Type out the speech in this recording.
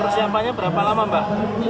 persiapannya berapa lama mbak